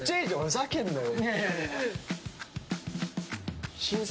ふざけんなよ。